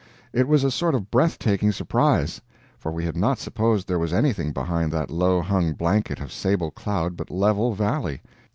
It was a sort of breath taking surprise; for we had not supposed there was anything behind that low hung blanket of sable cloud but level valley.